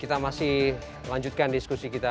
kita masih lanjutkan diskusi kita